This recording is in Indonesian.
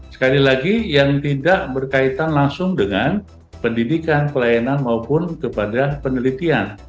sekali lagi yang tidak berkaitan langsung dengan pendidikan pelayanan maupun kepada penelitian